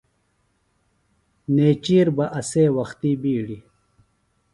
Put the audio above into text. نیچِیر بہ ایسےۡ وختی بِیڈیۡ